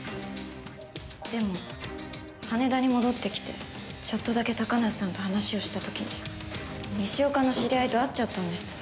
でも羽田に戻ってきてちょっとだけ高梨さんと話をした時に西岡の知り合いと会っちゃったんです。